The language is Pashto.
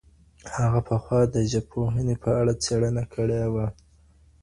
هغه پخوا د ژبپوهنې په اړه څېړنه کړې وه.